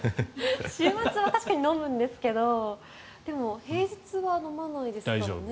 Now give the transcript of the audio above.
週末は確かに飲むんですけどでも平日は飲まないですからね。